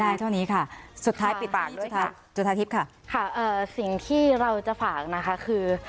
ได้เท่านี้ค่ะสุดท้ายปิดปากด้วยค่ะสิ่งที่เราจะฝากนะคะคือ